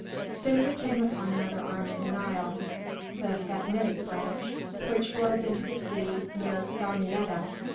Soon we came upon another arm of the Nile, the Phatnitic branch, which flows into the sea near Damietta.